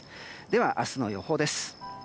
では明日の予報です。